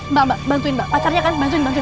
mbak mbak bantuin mbak pacarnya kan bantuin bantuin